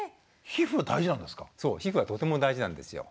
そう皮膚はとても大事なんですよ。